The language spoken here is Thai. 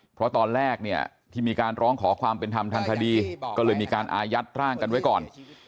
เพราะตอนแรกเนี่ยที่มีการร้องขอความเป็นธรรมทางคดีก็เลยมีการอายัดร่างกันไว้ก่อน